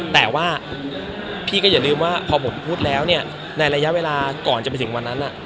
แต่ว่าพี่ก็อย่าลืมว่าพอผมพูดแล้วเนี่ยในระยะเวลาก่อนจะไปถึงวันนั้น